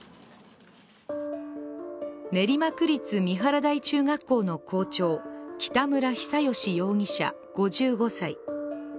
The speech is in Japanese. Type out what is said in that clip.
練馬区立三原台中学校の校長北村比左嘉容疑者、５５歳。